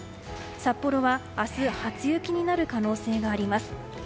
札幌は明日初雪になる可能性があります。